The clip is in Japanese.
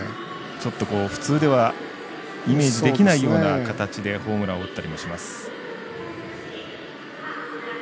ちょっと普通ではイメージできないような形でホームランを打ったりもします。